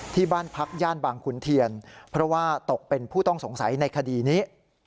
ที่บ้านพักย่านบางขุนเทียนเพราะว่าตกเป็นผู้ต้องสงสัยในคดีนี้